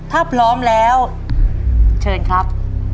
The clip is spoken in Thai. ถ้าพร้อมแล้วเชิญครับ